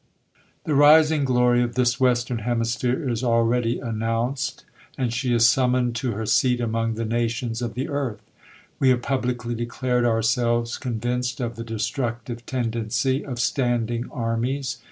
^"^HE rising glory of this western hemisphere is al X ready announced ; and she is summoned to iier seat among the nations of the earth. We have pub licly declared ourselves convinced of the destructive tendency of standing armies.